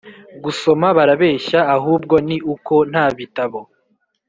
gusoma barabeshya, ahubwo ni uko nta bitabo